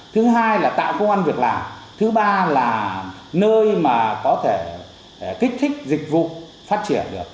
thứ hai là tạo công an việc làm thứ ba là nơi mà có thể kích thích dịch vụ phát triển được